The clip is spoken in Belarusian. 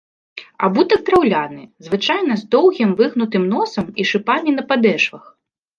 Абутак драўляны, звычайна з доўгім выгнутым носам і шыпамі на падэшвах.